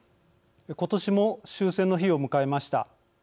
今年も「終戦の日」を迎えました。